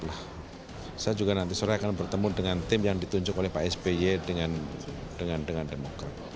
saya juga nanti sore akan bertemu dengan tim yang ditunjuk oleh pak sby dengan demokrat